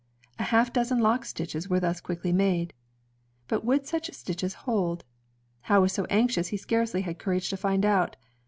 A half dozen lock stitches were thus quickly made. But would such stitches hold? Howe was so anxious he scarcely had courage to find out.